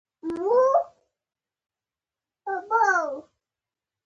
خو پوښتنه دا وه چې کارنګي به خرڅلاو ته غاړه کېږدي؟